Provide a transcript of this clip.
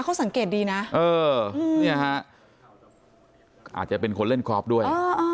เขาสังเกตดีน่ะเออนี่ฮะอาจจะเป็นคนเล่นกอล์ฟด้วยอ๋ออ๋อ